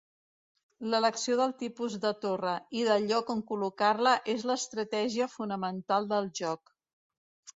L'elecció del tipus de torre i del lloc on col·locar-la és l'estratègia fonamental del joc.